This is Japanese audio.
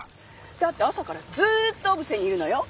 だって朝からずーっと小布施にいるのよ。